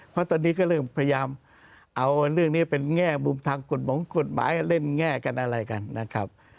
เพราะตอนนี้ก็เริ่มพยายามเอาเรื่องนี้เป็นแง่มุมทางกฎหมายเล่นแง่กันอะไรกันนะครับ